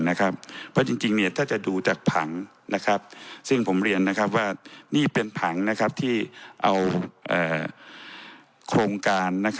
เพราะจริงถ้าจะดูจากผังซึ่งผมเรียนว่านี่เป็นผังที่เอาโครงการ